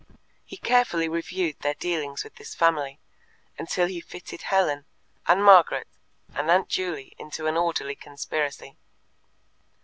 He carefully reviewed their dealings with this family, until he fitted Helen, and Margaret, and Aunt Juley into an orderly conspiracy.